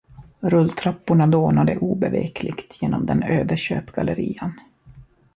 Rulltrapporna dånade obevekligt genom den öde köpgallerian.